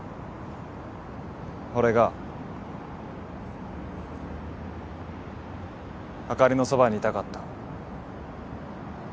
俺があかりのそばにいたかった。